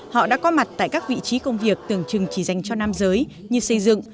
họ đã có mặt tại các vị trí công việc tưởng chừng chỉ dành cho nam giới như xây dựng